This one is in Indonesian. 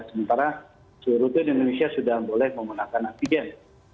sementara seluruh rute di indonesia sudah boleh menggunakan antigen